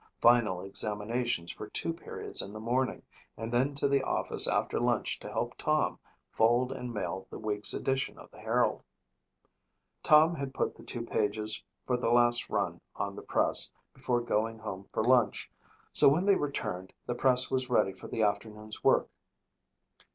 Final examinations for two periods in the morning and then to the office after lunch to help Tom fold and mail the week's edition of the Herald. Tom had put the two pages for the last run on the press before going home for lunch so when they returned the press was ready for the afternoon's work.